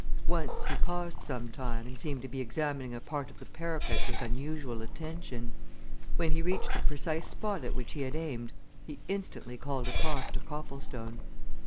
Once he paused some time and seemed to be examining a part of the parapet with unusual attention. When he reached the precise spot at which he had aimed, he instantly called across to Copplestone.